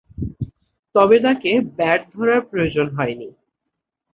তবে তাকে ব্যাট ধরার প্রয়োজন হয়নি।